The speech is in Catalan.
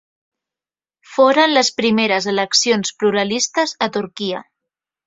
Foren les primeres eleccions pluralistes a Turquia.